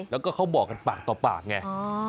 แล้วก็เขาบอกกันปากต่อปากไง